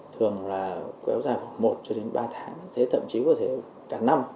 thường là quéo dài khoảng một ba tháng thậm chí có thể cả năm